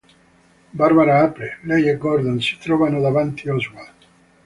Barbara apre, lei e Gordon si trovano davanti Oswald.